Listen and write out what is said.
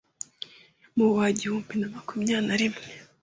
mu wa igihumbi makumyabiri na rimwe